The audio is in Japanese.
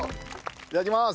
いただきます！